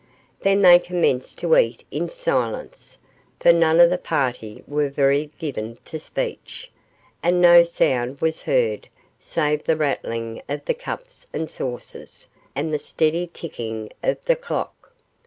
Then they commenced to eat in silence, for none of the party were very much given to speech, and no sound was heard save the rattling of the cups and saucers and the steady ticking of the clock.